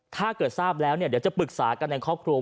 ถ้าเกิดทราบแล้วเดี๋ยวจะปรึกษากันในครอบครัว